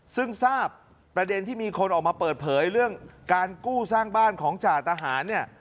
ซึ่งทราบประเด็นที่มีคนออกมาเปิดเผยเรื่องการกู้สร้างบ้านของจ่าทหารเนี่ย